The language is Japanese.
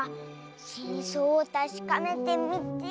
しんそうをたしかめてみて。